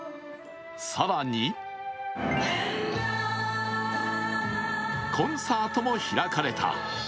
更にコンサートも開かれた。